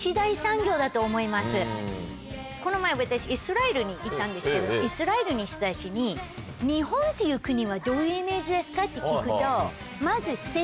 この前私イスラエルに行ったんですけどイスラエルの人たちに「日本っていう国はどういうイメージですか？」って聞くとまず。